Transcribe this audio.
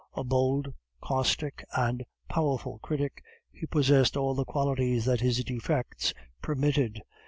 A bold, caustic, and powerful critic, he possessed all the qualities that his defects permitted.